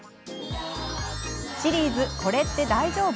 シリーズ「これって大丈夫？」。